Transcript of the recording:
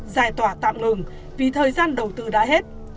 giải tỏa tạm ngừng vì thời gian đầu tư đã hết